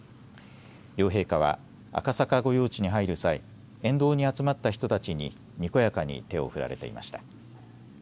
両陛下は赤坂御用地に入る際、沿道に集まった人たちににこやかに手を振られていました。